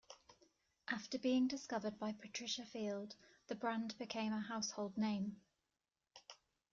After being discovered by Patricia Field, the brand became a household name.